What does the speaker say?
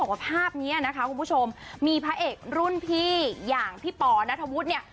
ว่าภาพนี้นะคะคุณผู้ชมมีพระเอกรุ่นพี่อย่างพี่ปอนัทธวุฒิเนี่ย